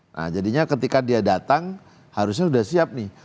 nah jadinya ketika dia datang harusnya sudah siap nih